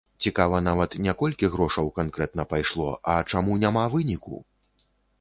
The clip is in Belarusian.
Цікава нават не колькі грошаў канкрэтна пайшло, а чаму няма выніку?!